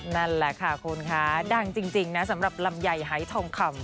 นั่นแหละค่ะคุณคะดังจริงนะสำหรับลำไยหายทองคำ